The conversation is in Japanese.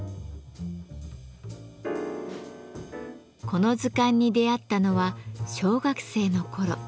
この図鑑に出会ったのは小学生の頃。